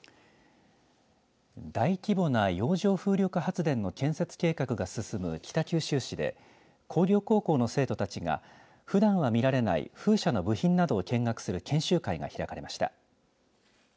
大規模な洋上風力発電の建設計画が進む北九州市で工業高校の生徒たちがふだんは見られない風車の部品などを見学する研修会が開かれました。